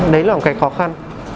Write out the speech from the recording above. đấy là một cái khó khăn